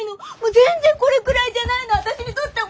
全然これぐらいじゃないの私にとっては！